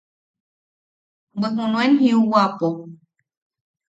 Bwe junuen jiuwapo.